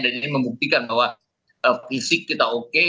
dan ini membuktikan bahwa fisik kita oke